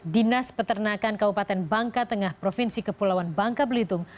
dinas peternakan kabupaten bangka tengah provinsi kepulauan bangka belitung